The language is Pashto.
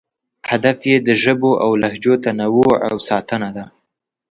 هدف یې د ژبو او لهجو تنوع او ساتنه ده.